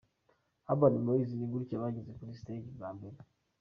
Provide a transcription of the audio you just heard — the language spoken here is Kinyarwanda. Urban Boyz ni gutya bageze kuri stage bambaye.